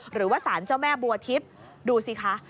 หรือว่าสารเจ้าแม่บุวหนักดูสิค่ะ